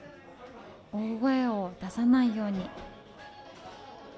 大声を出さないように。